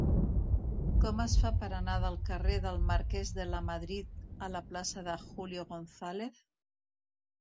Com es fa per anar del carrer del Marquès de Lamadrid a la plaça de Julio González?